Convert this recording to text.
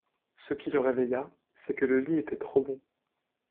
Ce qui le réveilla, c’est que le lit était trop bon.